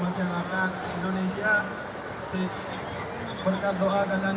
dan saya berterima kasih kepada pak bob hasan